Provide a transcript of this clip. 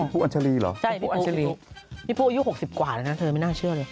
พีปุ๊ปอยู่๖๐กว่าแล้วนะเธอไม่น่าเชื่อเลย